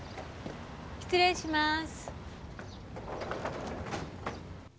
失礼します。